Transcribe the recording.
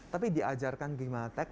tapi diajarkan gimatek